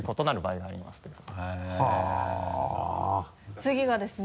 次がですね